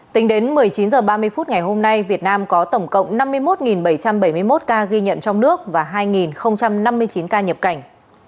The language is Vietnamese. tính đến một mươi chín h ba mươi phút ngày hôm nay việt nam có tổng cộng năm mươi một bảy trăm bảy mươi một ca ghi nhận trong nước và hai năm mươi chín ca nhập cảnh